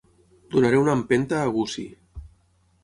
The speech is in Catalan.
Donaré una empenta a Gussie.